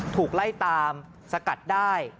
ถูกไล่ตามสกัดได้